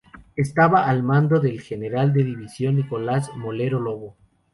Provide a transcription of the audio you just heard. Estaba al mando del general de división Nicolás Molero Lobo.